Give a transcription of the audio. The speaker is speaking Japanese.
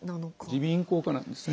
耳鼻咽喉科なんですね。